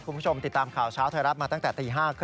คุณผู้ชมติดตามข่าวเช้าไทยรัฐมาตั้งแต่ตี๕๓๐